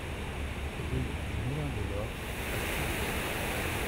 Rue du Moulin de l'Aure à Toulaud